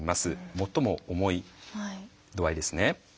最も重い度合いですね。